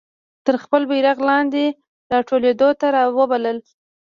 تر خپل بیرغ لاندي را ټولېدلو ته را وبلل.